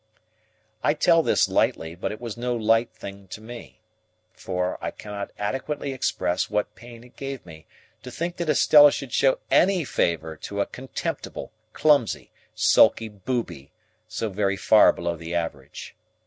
I tell this lightly, but it was no light thing to me. For, I cannot adequately express what pain it gave me to think that Estella should show any favour to a contemptible, clumsy, sulky booby, so very far below the average.